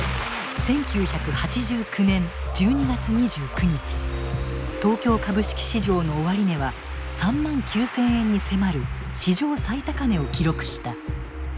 １９８９年１２月２９日東京株式市場の終値は３万９，０００円に迫る史上最高値を記録した。